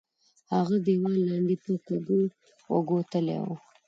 هغه دیوال لاندې په کږو وږو تللی وو.